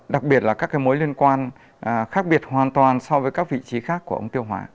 đặc biệt là các cái mối liên quan khác biệt hoàn toàn so với các vị trí khác của ống tiêu hóa